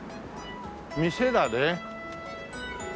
店だね。